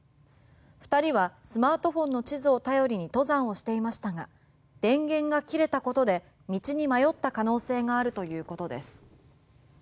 ２人はスマートフォンの地図を頼りに登山をしていましたが電源が切れたことで道に迷った可能性があるということです。